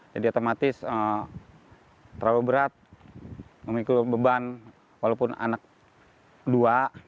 jadi otomatis terlalu berat memikul beban walaupun anak dua